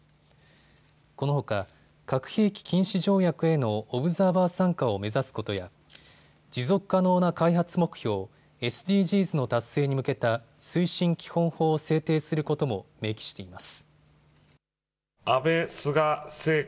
このほか核兵器禁止条約へのオブザーバー参加を目指すことや持続可能な開発目標、ＳＤＧｓの達成に向けた推進基本法を制定することも明記しています。